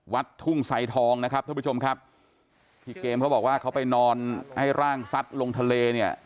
วัดทุ่งไซทองนะครับท่านผู้ชมครับที่เกมเขาบอกว่าเขาไปนอนให้ร่างซัดลงทะเลเนี่ย